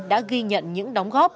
đã ghi nhận những đóng góp